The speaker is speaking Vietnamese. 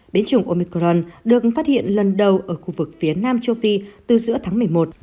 biến chủng omicron được phát hiện lần đầu ở khu vực phía nam châu phi từ giữa tháng một mươi một